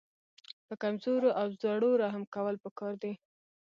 په کمزورو او زړو رحم کول پکار دي.